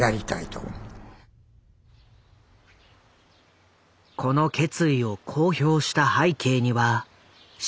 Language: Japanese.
この決意を公表した背景には震災があったという。